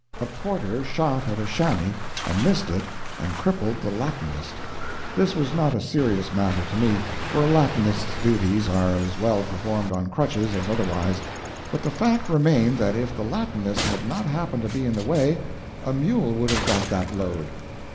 A porter shot at a chamois and missed it and crippled the Latinist. This was not a serious matter to me, for a Latinist's duties are as well performed on crutches as otherwise but the fact remained that if the Latinist had not happened to be in the way a mule would have got that load.